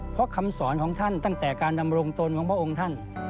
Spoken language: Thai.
เพราะคำสอนของท่านตั้งแต่การดำรงตนของพระองค์ท่าน